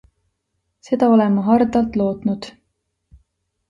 Seda olen ma hardalt lootnud.